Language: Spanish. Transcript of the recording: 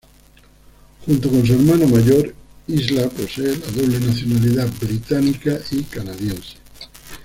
Junto con su hermana mayor, Isla posee la doble nacionalidad británica y canadiense.